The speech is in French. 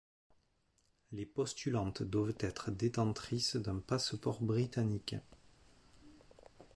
Les postulantes doivent être détentrices d'un passeport britannique.